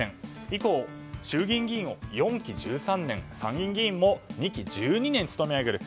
以降、衆議院議員を４期１３年参院議員も２期１２年務め上げる。